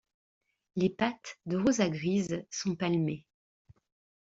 Les pattes, de roses à grises, sont palmées.